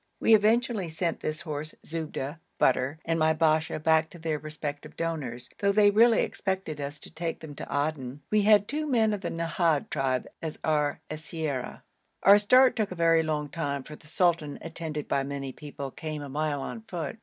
We eventually sent this horse, Zubda (butter), and my Basha back to their respective donors, though they really expected us to take them to Aden. We had two men of the Nahad tribe as our siyara. Our start took a very long time, for the sultan, attended by many people, came a mile on foot.